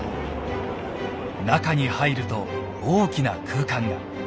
中に入ると大きな空間が。